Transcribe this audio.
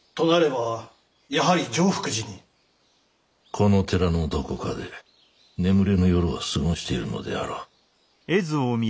この寺のどこかで眠れぬ夜を過ごしているのであろう。